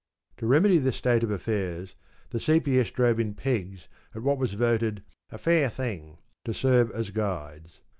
To remedy this state of affairs, the C.P.S. drove in pegs at what was voted ‘a fair thing' to serve as guides.